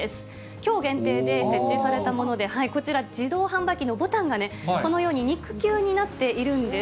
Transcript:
きょう限定で設置されたもので、こちら、自動販売機のボタンがこのように肉球になっているんです。